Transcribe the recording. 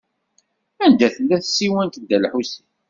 Anda tella tsiwant n Dda Lḥusin?